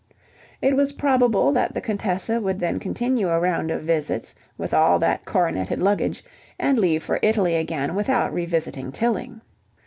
It was probable that the Contessa would then continue a round of visits with all that coroneted luggage, and leave for Italy again without revisiting Tilling.